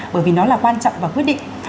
bởi vì nó là quan trọng và quyết định